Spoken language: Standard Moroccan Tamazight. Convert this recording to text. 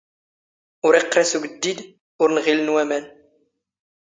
ⵓⵔ ⵉⵇⵇⵔⵉⵙ ⵓⴳⴷⴷⵉⴷ, ⵓⵔ ⵏⵖⵉⵍⵏ ⵡⴰⵎⴰⵏ